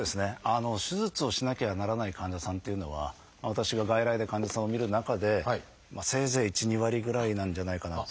手術をしなきゃならない患者さんっていうのは私が外来で患者さんを診る中でせいぜい１２割ぐらいなんじゃないかなと。